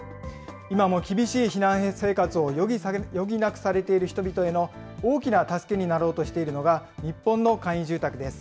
今も厳しい避難生活を余儀なくされている人々への大きな助けになろうとしているのが、日本の簡易住宅です。